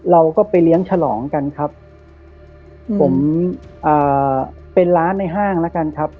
เราก็ไปเลี้ยงฉลองกันครับผมอ่าเป็นร้านในห้างแล้วกันครับ